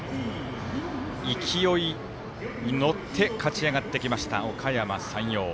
勢いに乗って勝ち上がってきましたおかやま山陽。